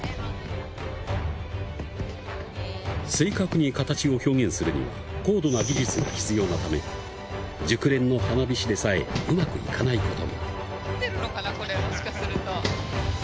正確に形を表現するには高度な技術が必要なため熟練の花火師でさえうまくいかないことも。